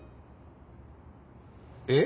えっ？